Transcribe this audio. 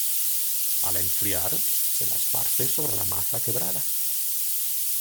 Al enfriar, se la esparce sobre la masa quebrada.